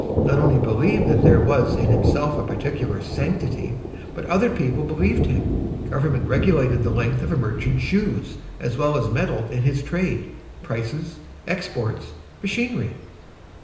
not only believed that there was in himself a particular sanctity, but other people believed him. Government regulated the length of a merchant's shoes as well as meddled with his trade, prices, exports, machinery.